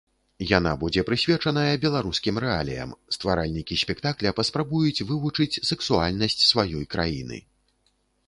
Яна будзе прысвечаная беларускім рэаліям, стваральнікі спектакля паспрабуюць вывучыць сэксуальнасць сваёй краіны.